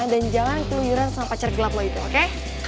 dan jangan keluyuran sama pacar gelap lo itu oke